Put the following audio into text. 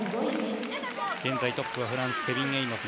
現在トップはフランスケビン・エイモズ。